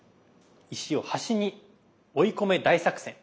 「石を端に追い込め大作戦」。